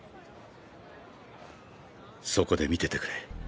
そこで見ててくれ。